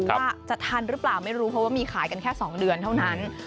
ว่าจะทันหรือเปล่าไม่รู้เพราะว่ามีขายกันแค่๒เดือนเท่านั้น